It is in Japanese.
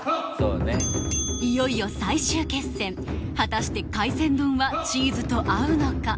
いよいよ最終決戦果たして海鮮丼はチーズと合うのか？